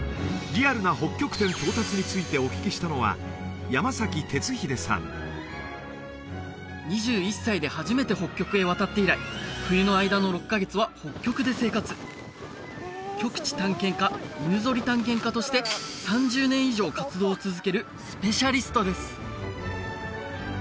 リアルな北極点到達についてお聞きしたのは山崎哲秀さん２１歳で初めて北極へ渡って以来冬の間の６カ月は北極で生活極地探検家犬ぞり探検家として３０年以上活動を続けるスペシャリストです